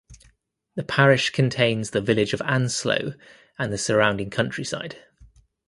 The parish contains the village of Anslow and the surrounding countryside.